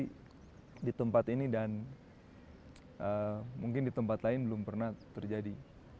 baru pertama kali di tempat ini dan mungkin di tempat lain belum pernah terjadi